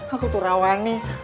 aku tuh rawani